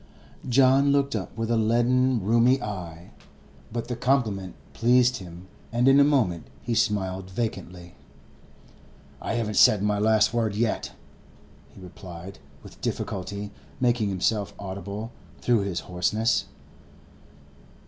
John looked up with a leaden, rheumy eye, but the compliment pleased him, and in a moment he smiled vacantly. 'I haven't said my last word yet,' he replied, with difficulty making himself audible through his hoarseness.